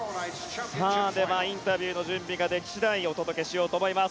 では、インタビューの準備ができ次第お届けしようと思います。